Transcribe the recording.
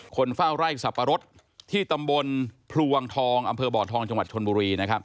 คนฝ้าวไล่สัตว์ประรถที่ตำบลปรวงทองอำเภอบอททองจังหวัดชนโบรี